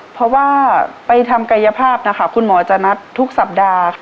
เพราะว่าไปทำกายภาพนะคะคุณหมอจะนัดทุกสัปดาห์